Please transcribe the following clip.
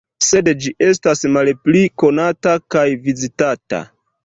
Sed ĝi estas malpli konata kaj vizitata.